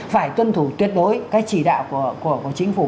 phải tuân thủ tuyệt đối cái chỉ đạo của chính phủ